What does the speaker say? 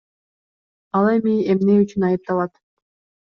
Ал эми эмне үчүн айыпталат?